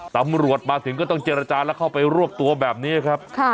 ตำรวจมาถึงก็ต้องเจรจาแล้วเข้าไปรวบตัวแบบนี้ครับ